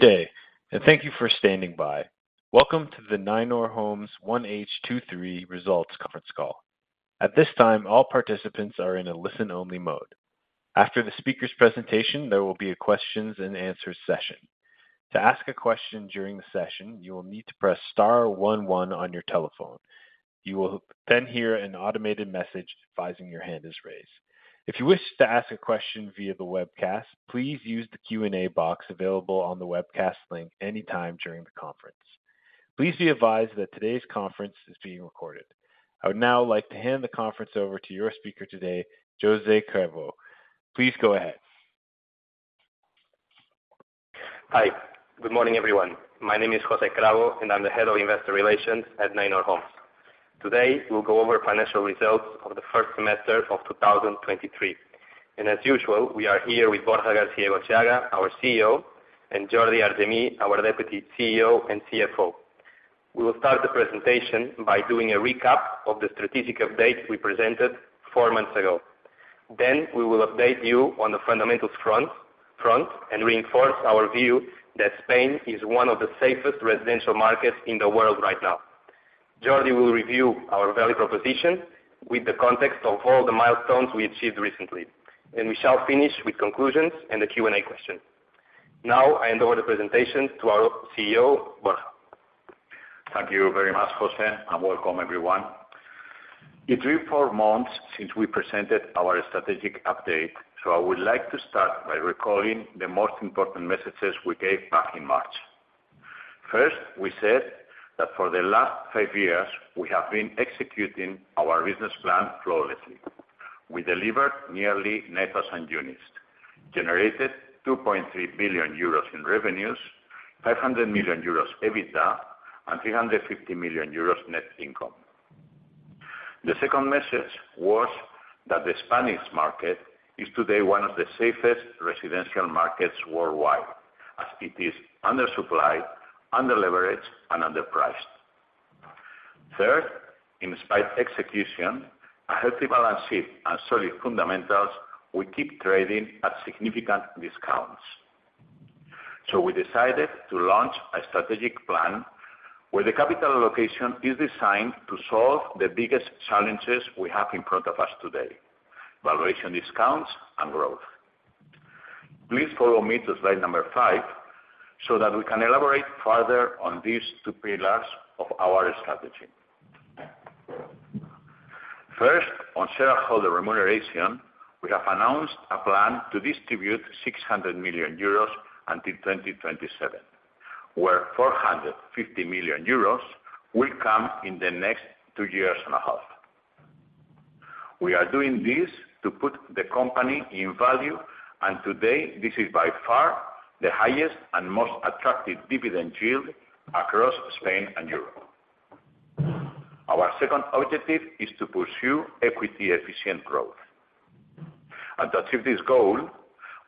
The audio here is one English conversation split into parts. Good day, and thank you for standing by. Welcome to the Neinor Homes 1H 2023 results conference call. At this time, all participants are in a listen-only mode. After the speaker's presentation, there will be a questions and answer session. To ask a question during the session, you will need to press star one one on your telephone. You will then hear an automated message advising your hand is raised. If you wish to ask a question via the Q&A box available on the webcast link any time during the conference. Please be advised that today's conference is being recorded. I would now like to hand the conference over to your speaker today, José Cravo. Please go ahead. Hi. Good morning, everyone. My name is José Cravo, and I'm the Head of Investor Relations at Neinor Homes. Today, we'll go over financial results of the first semester of 2023. As usual, we are here with Borja García-Egotxeaga, our CEO, and Jordi Argemí, our Deputy CEO and CFO. We will start the presentation by doing a recap of the strategic update we presented four months ago. We will update you on the fundamentals front, and reinforce our view that Spain is one of the safest residential markets in the world right now. Jordi will review our value proposition with the context of all the milestones we achieved recently, we shall finish with conclusions and the Q&A question. Now, I hand over the presentation to our CEO, Borja. Thank you very much, José. Welcome everyone. It's been four months since we presented our strategic update. I would like to start by recalling the most important messages we gave back in March. First, we said that for the last five years, we have been executing our business plan flawlessly. We delivered nearly net 1,000 units, generated 2.3 billion euros in revenues, 500 million euros EBITDA, and 350 million euros net income. The second message was that the Spanish market is today one of the safest residential markets worldwide, as it is undersupplied, underleveraged, and underpriced. Third, in spite execution, a healthy balance sheet and solid fundamentals, we keep trading at significant discounts. We decided to launch a strategic plan, where the capital allocation is designed to solve the biggest challenges we have in front of us today, valuation discounts and growth. Please follow me to slide number five, so that we can elaborate further on these two pillars of our strategy. First, on shareholder remuneration, we have announced a plan to distribute 600 million euros until 2027, where 450 million euros will come in the next two years and a half. We are doing this to put the company in value, and today this is by far the highest and most attractive dividend yield across Spain and Europe. Our second objective is to pursue equity efficient growth. To achieve this goal,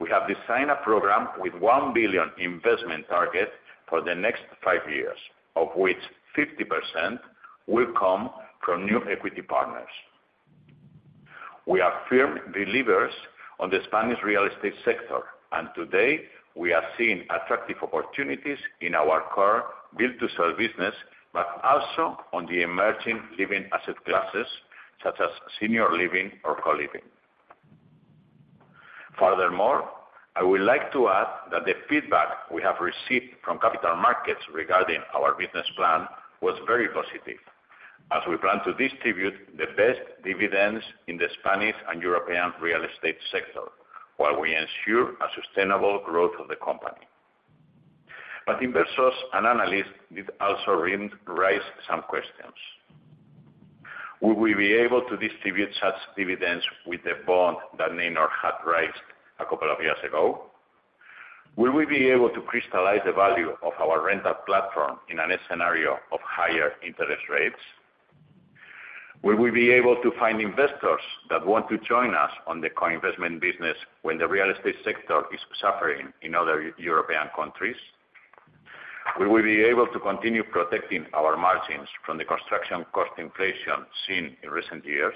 we have designed a program with 1 billion investment target for the next five years, of which 50% will come from new equity partners. We are firm believers on the Spanish real estate sector. Today we are seeing attractive opportunities in our core build-to-sell business, but also on the emerging living asset classes, such as senior living or co-living. Furthermore, I would like to add that the feedback we have received from capital markets regarding our business plan was very positive, as we plan to distribute the best dividends in the Spanish and European real estate sector, while we ensure a sustainable growth of the company. Investors and analysts did also raise some questions. Will we be able to distribute such dividends with the bond that Neinor had raised a couple of years ago? Will we be able to crystallize the value of our rental platform in a scenario of higher interest rates? Will we be able to find investors that want to join us on the co-investment business when the real estate sector is suffering in other European countries? Will we be able to continue protecting our margins from the construction cost inflation seen in recent years?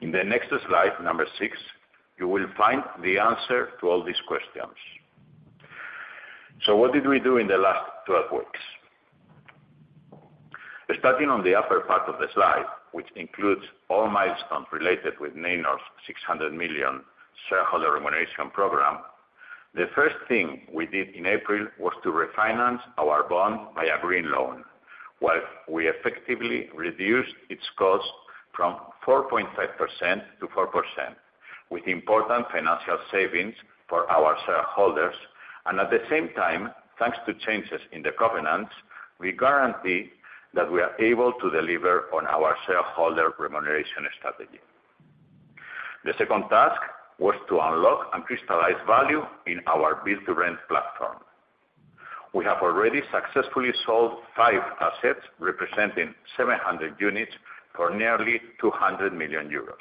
In the next slide, number six, you will find the answer to all these questions. What did we do in the last 12 weeks? Starting on the upper part of the slide, which includes all milestones related with Neinor's 600 million shareholder remuneration program, the first thing we did in April was to refinance our bond by a green loan, while we effectively reduced its cost from 4.5%-4%, with important financial savings for our shareholders. At the same time, thanks to changes in the covenants, we guarantee that we are able to deliver on our shareholder remuneration strategy. The second task was to unlock and crystallize value in our build-to-rent platform. We have already successfully sold five assets, representing 700 units for nearly 200 million euros.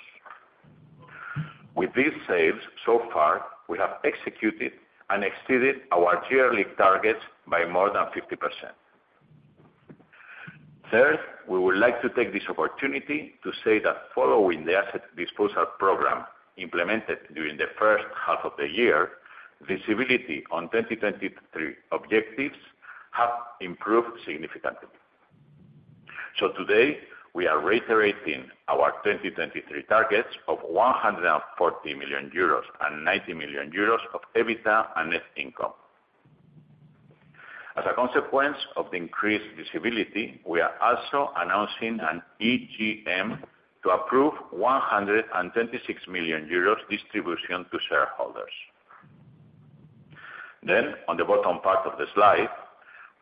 With these sales, so far, we have executed and exceeded our yearly targets by more than 50%. Third, we would like to take this opportunity to say that following the asset disposal program implemented during the first half of the year, visibility on 2023 objectives have improved significantly. Today, we are reiterating our 2023 targets of 140 million euros and 90 million euros of EBITDA and net income. As a consequence of the increased visibility, we are also announcing an EGM to approve 126 million euros distribution to shareholders. On the bottom part of the slide,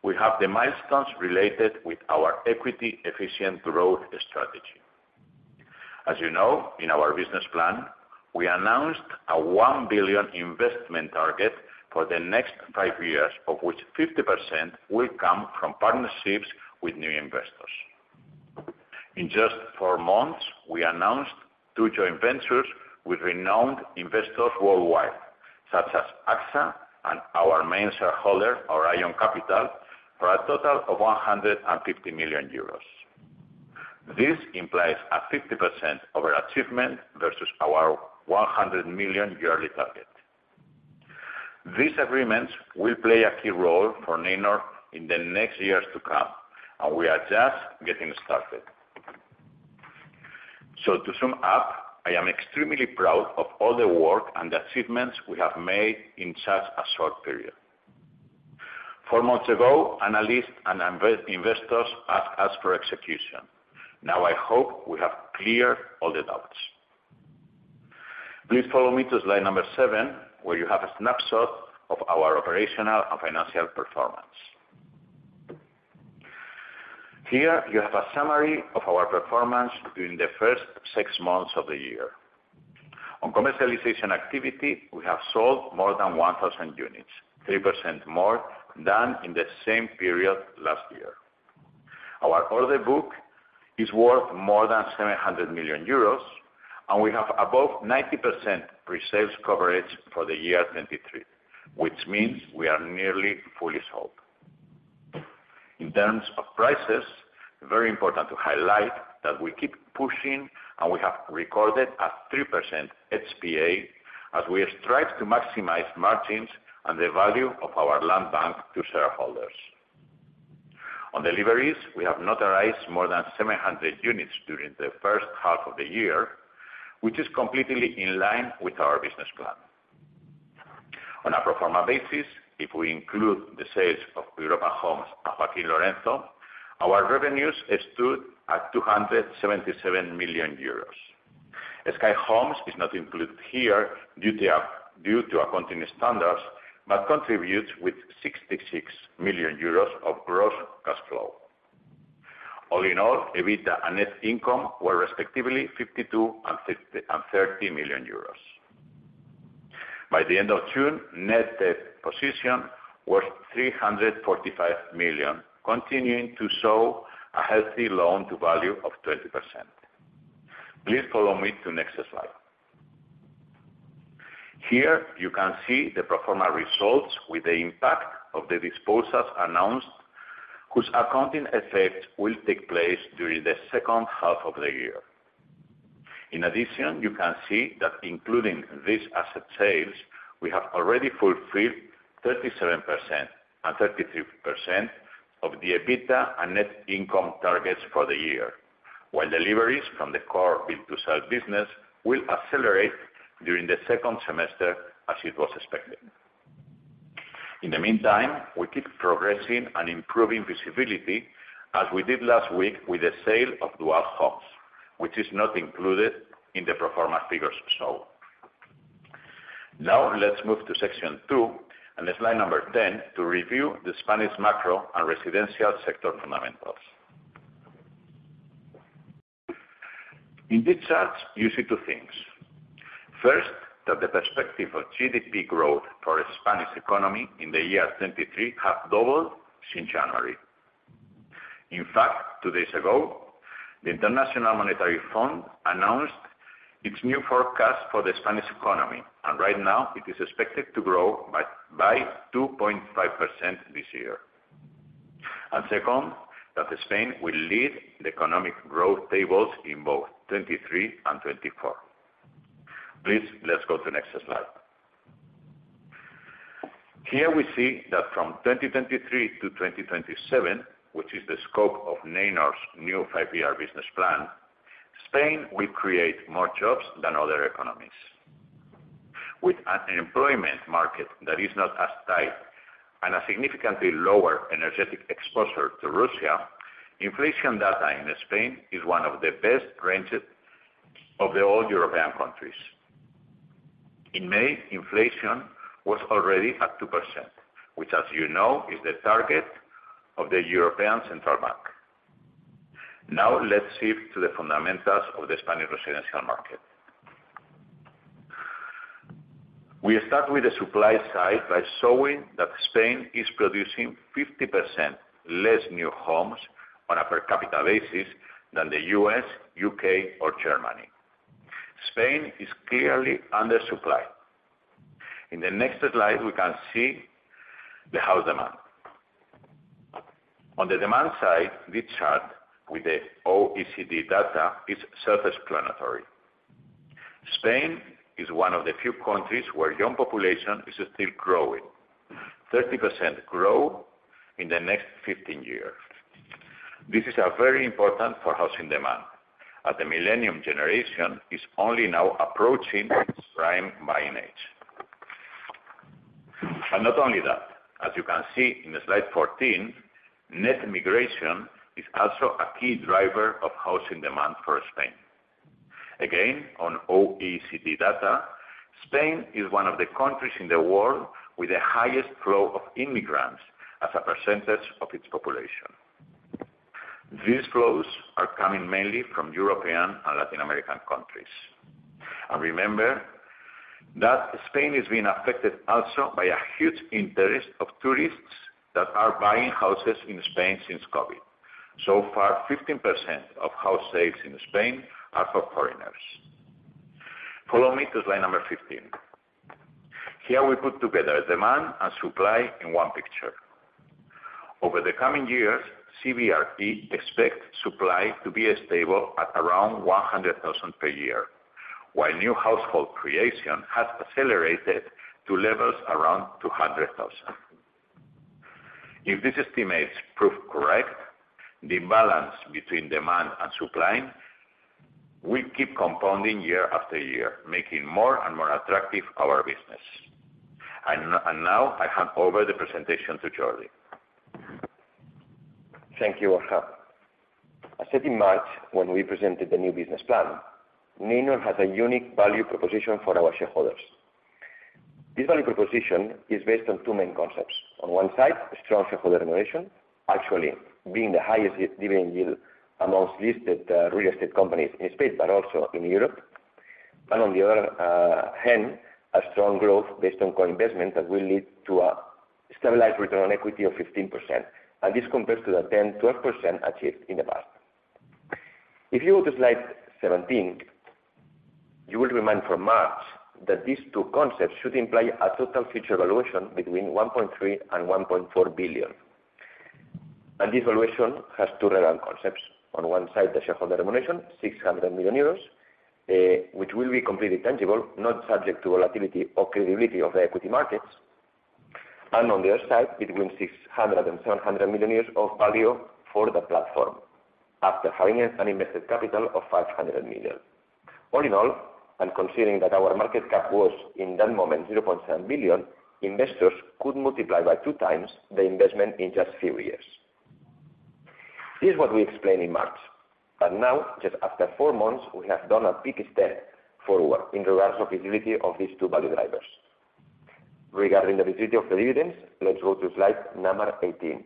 we have the milestones related with our equity-efficient growth strategy. As you know, in our business plan, we announced a 1 billion investment target for the next five years, of which 50% will come from partnerships with new investors. In just four months, we announced two joint ventures with renowned investors worldwide, such as AXA and our main shareholder, Orion Capital, for a total of 150 million euros. This implies a 50% overachievement versus our 100 million yearly target. These agreements will play a key role for Neinor in the next years to come, and we are just getting started. To sum up, I am extremely proud of all the work and achievements we have made in such a short period. Four months ago, analysts and investors asked us for execution. I hope we have cleared all the doubts. Please follow me to slide number seven, where you have a snapshot of our operational and financial performance. Here, you have a summary of our performance during the first six months of the year. On commercialization activity, we have sold more than 1,000 units, 3% more than in the same period last year. Our order book is worth more than 700 million euros, and we have above 90% pre-sales coverage for the year 2023, which means we are nearly fully sold. In terms of prices, very important to highlight that we keep pushing, and we have recorded a 3% HPA, as we strive to maximize margins and the value of our land bank to shareholders. On deliveries, we have notarized more than 700 units during the first half of the year, which is completely in line with our business plan. On a pro forma basis, if we include the sales of Europa Homes and Joaquín Lorenzo, our revenues stood at 277 million euros. Sky Homes is not included here due to accounting standards, but contributes with 66 million euros of gross cash flow. All in all, EBITDA and net income were respectively 52 million and 30 million euros. By the end of June, net debt position was 345 million, continuing to show a healthy loan-to-value of 20%. Please follow me to next slide. Here, you can see the pro forma results with the impact of the disposals announced, whose accounting effect will take place during the second half of the year. In addition, you can see that including these asset sales, we have already fulfilled 37% and 33% of the EBITDA and net income targets for the year, while deliveries from the core build-to-sell business will accelerate during the second semester, as it was expected. In the meantime, we keep progressing and improving visibility, as we did last week with the sale of Dual Homes, which is not included in the pro forma figures shown. Let's move to section two and slide number 10 to review the Spanish macro and residential sector fundamentals. In this chart, you see two things. First, that the perspective of GDP growth for Spanish economy in the year 2023 have doubled since January. In fact, two days ago, the International Monetary Fund announced its new forecast for the Spanish economy, right now it is expected to grow by 2.5% this year. Second, that Spain will lead the economic growth tables in both 2023 and 2024. Please, let's go to next slide. Here we see that from 2023 to 2027, which is the scope of Neinor's new five-year business plan, Spain will create more jobs than other economies. With an employment market that is not as tight and a significantly lower energetic exposure to Russia, inflation data in Spain is one of the best ranges of the all European countries. In May, inflation was already at 2%, which, as you know, is the target of the European Central Bank. Let's shift to the fundamentals of the Spanish residential market. We start with the supply side by showing that Spain is producing 50% less new homes on a per capita basis than the U.S., U.K., or Germany. Spain is clearly undersupplied. In the next slide, we can see the house demand. On the demand side, this chart with the OECD data is self-explanatory. Spain is one of the few countries where young population is still growing, 30% growth in the next 15 years. This is very important for housing demand, as the Millennial generation is only now approaching its prime buying age. Not only that, as you can see in the slide 14, net immigration is also a key driver of housing demand for Spain. Again, on OECD data, Spain is one of the countries in the world with the highest flow of immigrants as a percentage of its population. These flows are coming mainly from European and Latin American countries. Remember that Spain is being affected also by a huge interest of tourists that are buying houses in Spain since COVID. So far, 15% of house sales in Spain are for foreigners. Follow me to slide number 15. Here we put together demand and supply in one picture. Over the coming years, CVRP expects supply to be stable at around 100,000 per year, while new household creation has accelerated to levels around 200,000. If these estimates prove correct, the balance between demand and supply will keep compounding year after year, making more and more attractive our business. Now I hand over the presentation to Jordi. Thank you, Borja. I said in March, when we presented the new business plan, Neinor has a unique value proposition for our shareholders. This value proposition is based on two main concepts. On one side, strong shareholder remuneration, actually being the highest dividend yield amongst listed real estate companies in Spain, but also in Europe. On the other hand, a strong growth based on co-investment that will lead to a stabilized return on equity of 15%, and this compares to the 10%-12% achieved in the past. If you go to slide 17, you will remember from March that these two concepts should imply a total future valuation between 1.3 billion and 1.4 billion. This valuation has two relevant concepts. On one side, the shareholder remuneration, 600 million euros, which will be completely tangible, not subject to volatility or credibility of the equity markets. On the other side, between 600 million and 700 million of value for the platform after having an invested capital of 500 million. All in all, and considering that our market cap was, in that moment, 0.7 billion, investors could multiply by two times the investment in just a few years. This is what we explained in March, now, just after four months, we have done a big step forward in regards to visibility of these two value drivers. Regarding the visibility of the dividends, let's go to slide number 18.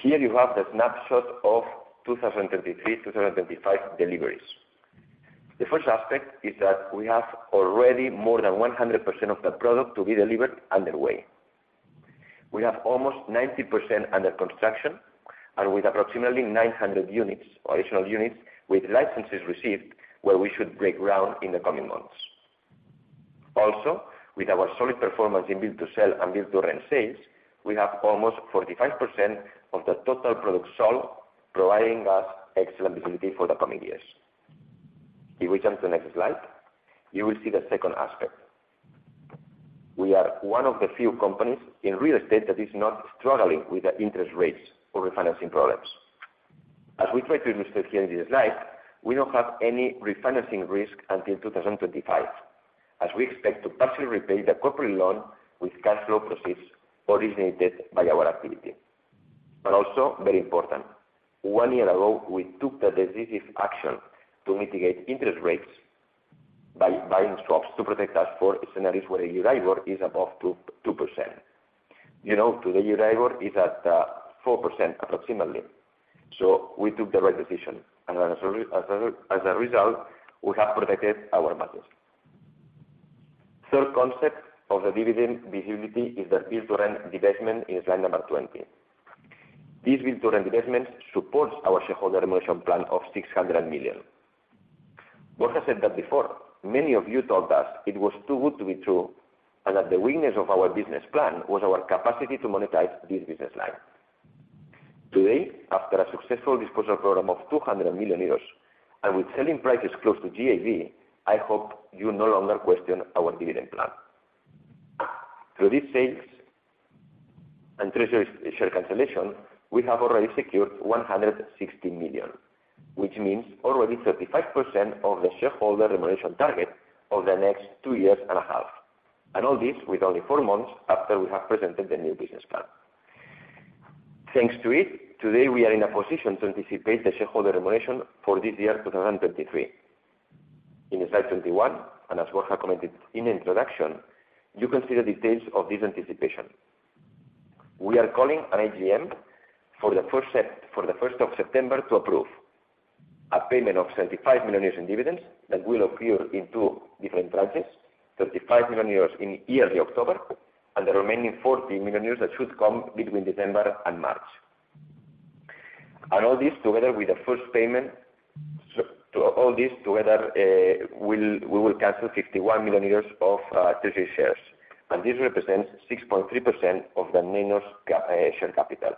Here you have the snapshot of 2023-2025 deliveries. The first aspect is that we have already more than 100% of the product to be delivered underway. We have almost 90% under construction, and with approximately 900 units, additional units, with licenses received, where we should break ground in the coming months. Also, with our solid performance in build-to-sell and build-to-rent sales, we have almost 45% of the total product sold, providing us excellent visibility for the coming years. If we jump to the next slide, you will see the second aspect. We are one of the few companies in real estate that is not struggling with the interest rates or refinancing problems. As we try to illustrate here in this slide, we don't have any refinancing risk until 2025, as we expect to partially repay the corporate loan with cash flow proceeds originated by our activity. Also, very important, one year ago, we took the decisive action to mitigate interest rates by buying stocks to protect us for scenarios where the Euribor is above 2%. You know, today, Euribor is at 4%, approximately. We took the right decision, as a result, we have protected our margins. Third concept of the dividend visibility is the build-to-rent divestment in slide number 20. This build-to-rent divestment supports our shareholder remuneration plan of 600 million. Borja said that before, many of you told us it was too good to be true, and that the weakness of our business plan was our capacity to monetize this business line. Today, after a successful disposal program of 200 million euros, and with selling prices close to GAV, I hope you no longer question our dividend plan. Through these sales and treasury share cancellation, we have already secured 160 million, which means already 35% of the shareholder remuneration target over the next two years and a half. All this with only four months after we have presented the new business plan. Thanks to it, today we are in a position to anticipate the shareholder remuneration for this year, 2023. In slide 21, and as Borja commented in the introduction, you can see the details of this anticipation. We are calling an AGM for the first of September to approve a payment of 75 million euros in dividends that will occur in two different tranches: 35 million euros in early October, and the remaining 40 million euros that should come between December and March. All this together with the first payment, to all this together, we will cancel 51 million euros of treasury shares, and this represents 6.3% of the Neinor's share capital.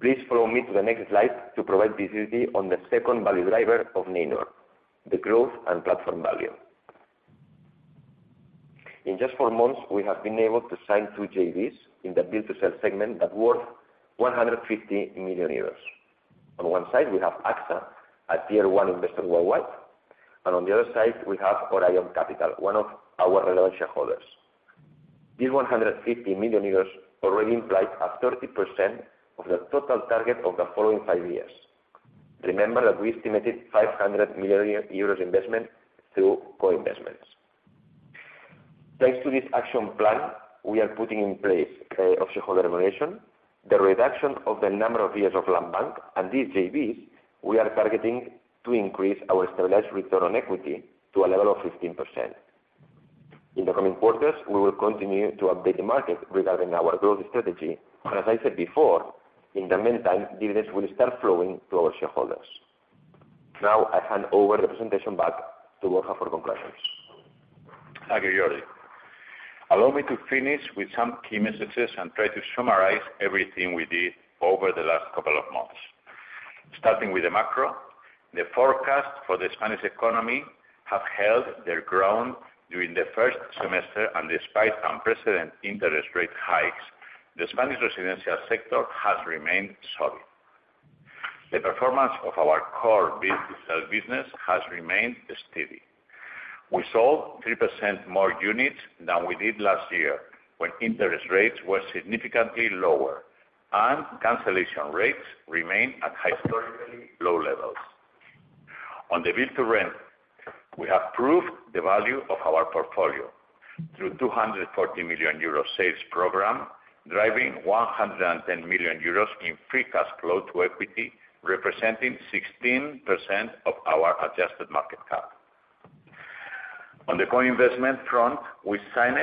Please follow me to the next slide to provide visibility on the second value driver of Neinor, the growth and platform value. In just four months, we have been able to sign two JVs in the build-to-sell segment that worth 150 million euros. On one side, we have AXA, a tier one investor worldwide, and on the other side, we have Orion Capital, one of our relevant shareholders. These 150 million euros already imply a 30% of the total target of the following five years. Remember that we estimated 500 million euros investment through co-investments. Thanks to this action plan, we are putting in place, of shareholder remuneration, the reduction of the number of years of landbank and these JVs, we are targeting to increase our stabilized return on equity to a level of 15%. In the coming quarters, we will continue to update the market regarding our growth strategy. As I said before, in the meantime, dividends will start flowing to our shareholders. Now, I hand over the presentation back to Borja for conclusions. Thank you, Jordi. Allow me to finish with some key messages and try to summarize everything we did over the last couple of months. Starting with the macro, the forecast for the Spanish economy have held their ground during the first semester. Despite unprecedented interest rate hikes, the Spanish residential sector has remained solid. The performance of our core build-to-sell business has remained steady. We sold 3% more units than we did last year, when interest rates were significantly lower. Cancellation rates remain at historically low levels. On the build-to-rent, we have proved the value of our portfolio through 240 million euro sales program, driving 110 million euros in free cash flow to equity, representing 16% of our adjusted market cap. On the co-investment front, we signed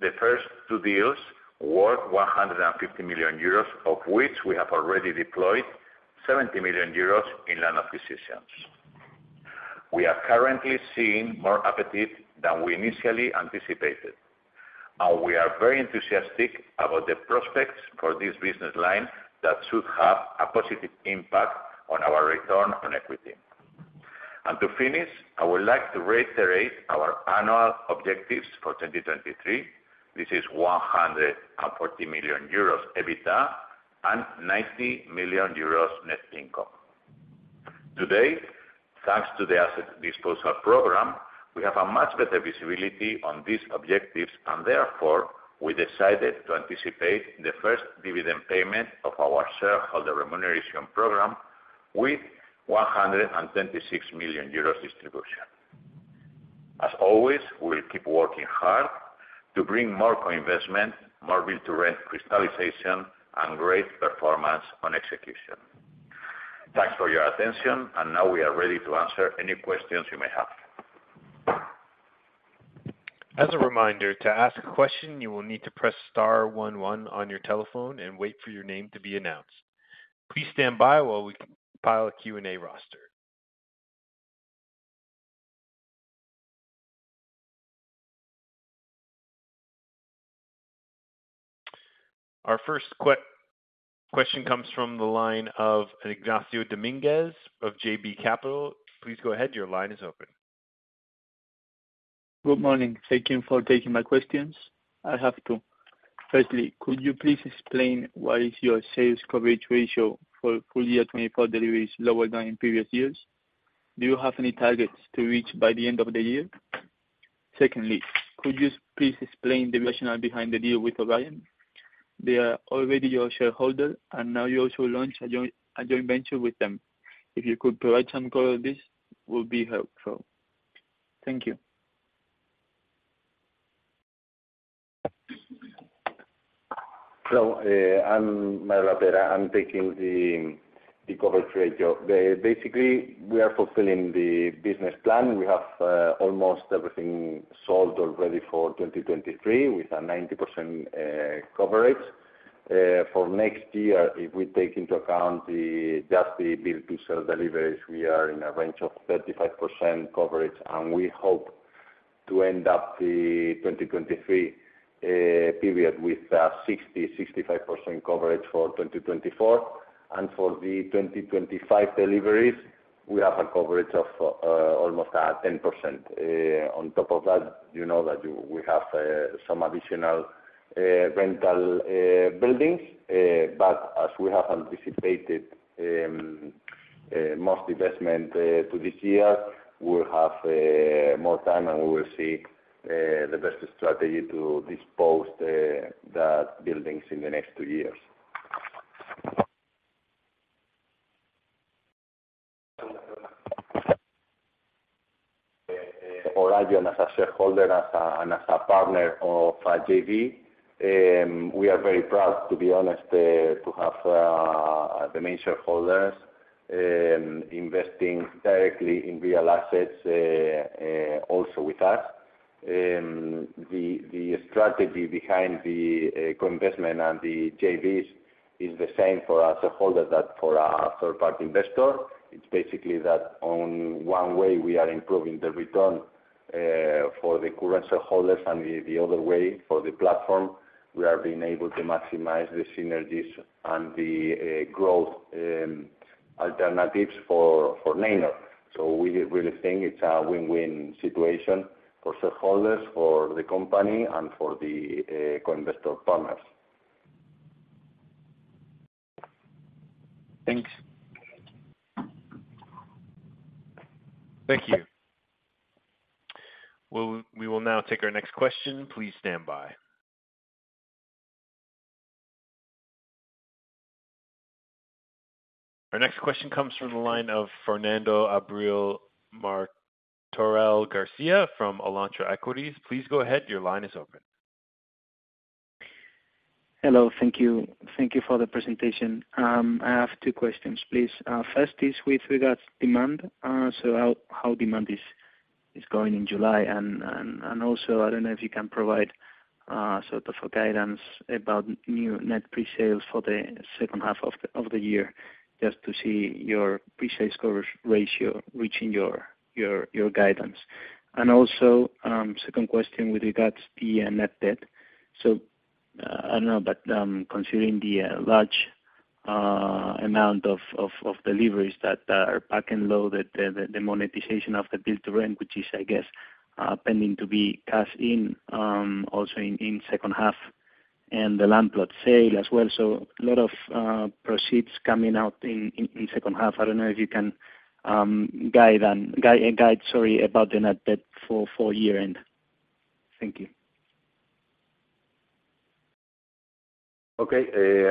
the first two deals worth 150 million euros, of which we have already deployed 70 million euros in land acquisitions. We are currently seeing more appetite than we initially anticipated, and we are very enthusiastic about the prospects for this business line that should have a positive impact on our return on equity. To finish, I would like to reiterate our annual objectives for 2023. This is 140 million euros EBITDA and 90 million euros net income. Today, thanks to the asset disposal program, we have a much better visibility on these objectives. Therefore, we decided to anticipate the first dividend payment of our shareholder remuneration program with 126 million euros distribution. Always, we will keep working hard to bring more co-investment, more build-to-rent crystallization, and great performance on execution. Thanks for your attention, and now we are ready to answer any questions you may have. As a reminder, to ask a question, you will need to press star one on your telephone and wait for your name to be announced. Please stand by while we compile a Q&A roster. Our first question comes from the line of Ignacio Dominguez of JB Capital. Please go ahead. Your line is open. Good morning. Thank you for taking my questions. I have two. Firstly, could you please explain why is your sales coverage ratio for full year 2024 deliveries lower than in previous years? Do you have any targets to reach by the end of the year? Secondly, could you please explain the rationale behind the deal with Orion? They are already your shareholder, now you also launch a joint venture with them. If you could provide some color on this, will be helpful. Thank you. I'm Manuel Rapera. I'm taking the coverage ratio. Basically, we are fulfilling the business plan. We have almost everything sold already for 2023, with a 90% coverage. For next year, if we take into account just the build-to-sell deliveries, we are in a range of 35% coverage, and we hope to end up the 2023 period with 60%-65% coverage for 2024. For the 2025 deliveries, we have a coverage of almost 10%. On top of that, you know that we have some additional rental buildings, but as we have anticipated most investment to this year, we'll have more time and we will see the best strategy to dispose that buildings in the next two years. Orion as a shareholder and as a partner of JV, we are very proud to be honest, to have the main shareholders. investing directly in real assets, also with us. The strategy behind the co-investment and the JVs is the same for us shareholder that for a third-party investor. It's basically that on one way we are improving the return for the current shareholders, and the other way for the platform, we are being able to maximize the synergies and the growth alternatives for Neinor. We think it's a win-win situation for shareholders, for the company and for the co-investor partners. Thanks. Thank you. We will now take our next question. Please stand by. Our next question comes from the line of Fernando Abril-Martorell from Alantra Equities. Please go ahead. Your line is open. Hello. Thank you. Thank you for the presentation. I have two questions, please. First is with regards demand. How demand is going in July? Also, I don't know if you can provide sort of a guidance about new net pre-sales for the second half of the year, just to see your pre-sales coverage ratio reaching your guidance. Also, second question with regards the net debt. I don't know, but considering the large amount of deliveries that are back and low, the monetization of the build-to-rent, which is, I guess, pending to be cashed in, also in second half and the land plot sale as well. A lot of proceeds coming out in second half. I don't know if you can guide and guide, sorry, about the net debt for full year end. Thank you. Okay.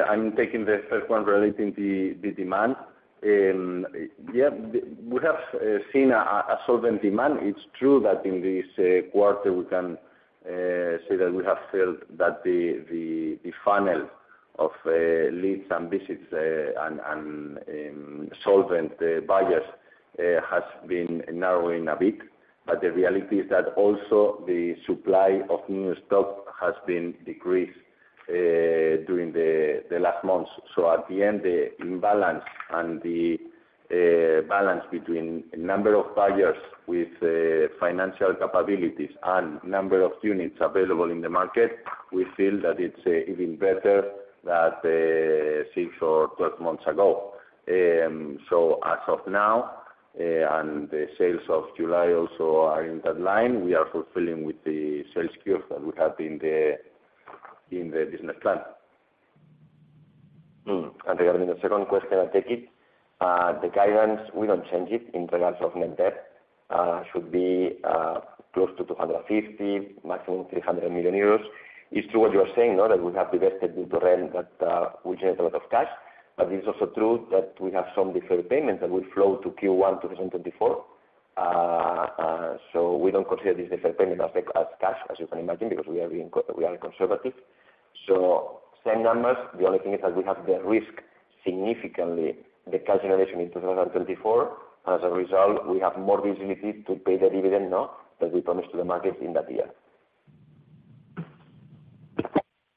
I'm taking the first one relating the demand. Yeah, we have seen a solvent demand. It's true that in this quarter, we can say that we have felt that the funnel of leads and visits, and solvent buyers, has been narrowing a bit. The reality is that also the supply of new stock has been decreased during the last months. At the end, the imbalance and the balance between number of buyers with financial capabilities and number of units available in the market, we feel that it's even better than six or 12 months ago. As of now, and the sales of July also are in that line, we are fulfilling with the sales curve that we have in the, in the business plan. Mm. Regarding the second question, I take it, the guidance, we don't change it in regards of net debt. should be close to 250, maximum 300 million euros. It's true what you are saying, know that we have divested build-to-rent that, which is a lot of cash, but it's also true that we have some deferred payments that will flow to Q1 2024. We don't consider this deferred payment as cash, as you can imagine, because we are being conservative. Same numbers, the only thing is that we have the risk significantly, the cash generation in 2024. As a result, we have more visibility to pay the dividend now than we promised to the market in that year.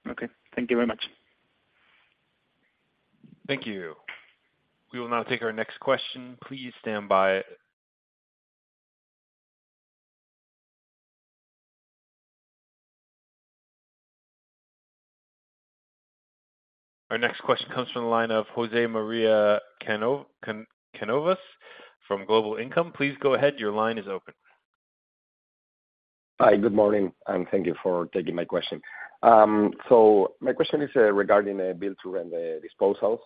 Okay. Thank you very much. Thank you. We will now take our next question. Please stand by. Our next question comes from the line of José María Cánovas from Global Income. Please go ahead. Your line is open. Hi, good morning, and thank you for taking my question. My question is regarding build-to-rent disposals.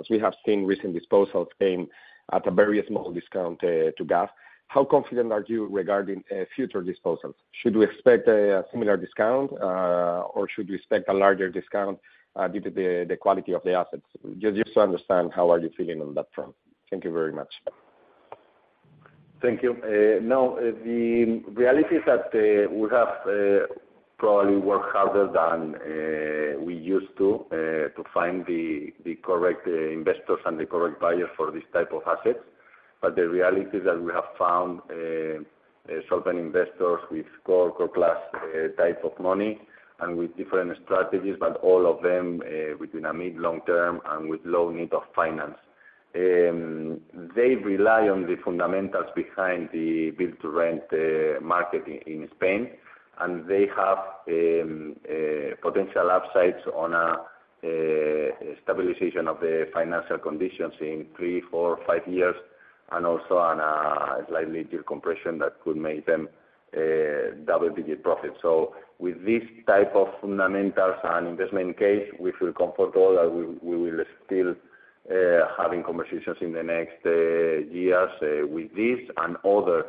As we have seen, recent disposals came at a very small discount to GAV. How confident are you regarding future disposals? Should we expect a similar discount or should we expect a larger discount due to the quality of the assets? Just to understand, how are you feeling on that front? Thank you very much. Thank you. Now, the reality is that we have probably worked harder than we used to to find the correct investors and the correct buyers for this type of assets. The reality is that we have found certain investors with core plus types of money and with different strategies, but all of them within a mid-long term and with low need of finance. They rely on the fundamentals behind the build-to-rent market in Spain, and they have potential upsides on a stabilization of the financial conditions in three, four, five years, and also on a slightly yield compression that could make them double-digit profit. With this type of fundamentals and investment case, we feel comfortable that we will still having conversations in the next years with this and other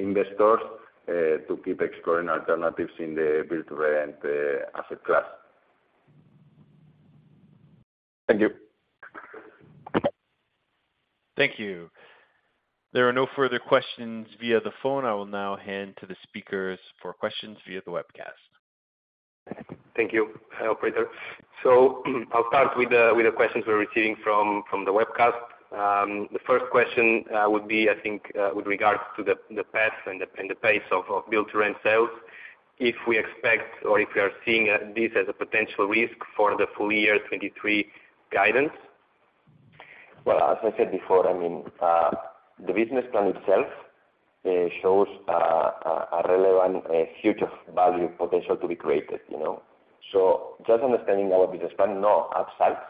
investors to keep exploring alternatives in the build-to-rent asset class. Thank you. Thank you. There are no further questions via the phone. I will now hand to the speakers for questions via the webcast. Thank you, operator. I'll start with the questions we're receiving from the webcast. The first question, would be, I think, with regards to the path and the pace of build-to-rent sales. If we expect or if we are seeing, this as a potential risk for the full year 2023 guidance? Well, as I said before, I mean, the business plan itself shows a relevant, a huge value potential to be created, you know? Just understanding our business plan, no, upsides,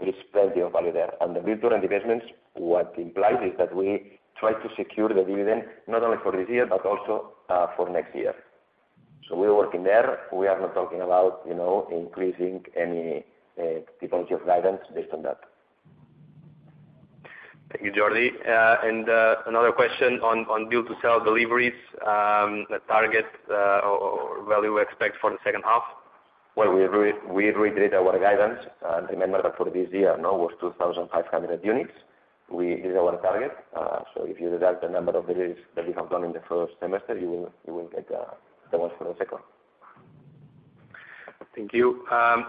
there is plenty of value there. The build-to-rent investments, what implies is that we try to secure the dividend, not only for this year, but also for next year. We are working there. We are not talking about, you know, increasing any type of guidance based on that. Thank you, Jordi. Another question on build-to-sell deliveries, the target, or value we expect for the second half. Well, we reiterate our guidance. Remember that for this year, no, was 2,500 units. We hit our target. If you deduct the number of deliveries that we have done in the first semester, you will get, the ones for the second. Thank you.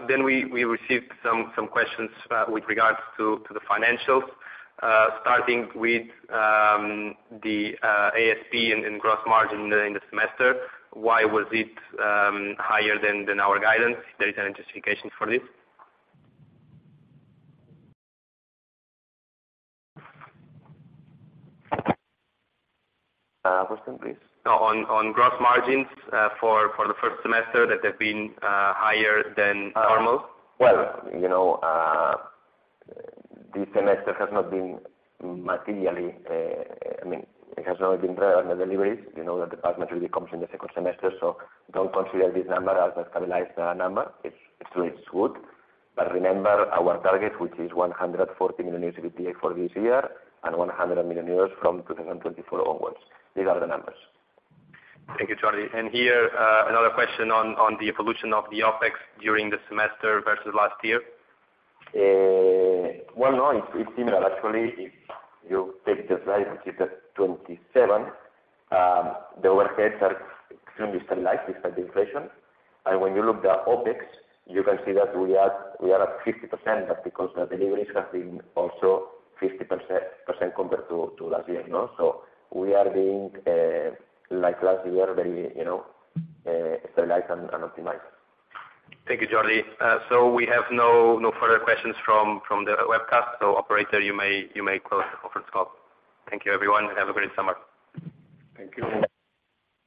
We received some questions with regards to the financials. Starting with the ASP and gross margin during the semester, why was it higher than our guidance? There is a justification for this. Question, please? Gross margins, for the first semester, that have been higher than normal. Well, you know, this semester has not been materially, I mean, it has not been on the deliveries. You know, the department really comes in the second semester. Don't consider this number as a stabilized number. It's good. Remember our target, which is 140 million euros EBITDA for this year and 100 million euros from 2024 onwards. These are the numbers. Thank you, Jordi. Here, another question on the evolution of the OpEx during the semester versus last year. Well, no, it's similar. Actually, if you take the slide, which is just 27, the overheads are extremely stabilized despite the inflation. When you look at the OpEx, you can see that we are at 50%, because the deliveries have been also 50% compared to last year, you know, we are being like last year, very, you know, very light and optimized. Thank you, Jordi. We have no further questions from the webcast. Operator, you may close the conference call. Thank you, everyone, and have a great summer. Thank you.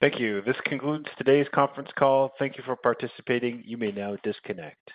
Thank you. This concludes today's conference call. Thank you for participating. You may now disconnect.